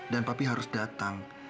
dan papi harus datang